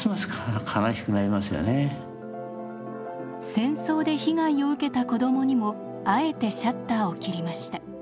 戦争で被害を受けた子どもにもあえてシャッターを切りました。